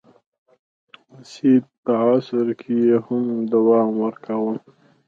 د سید په عصر کې یې هم دوام ورکاوه.